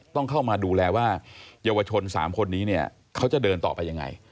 ต้องเข้ามาดูแลว่าเยาวชน๓คนนี้เนี่ยเขาจะเดินต่อไปยังไง